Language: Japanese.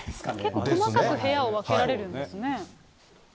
結構細かく部屋を分けられるんですね。